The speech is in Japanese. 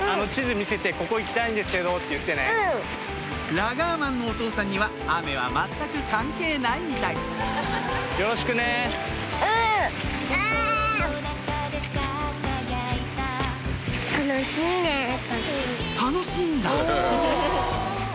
ラガーマンのお父さんには雨は全く関係ないみたい楽しいんだ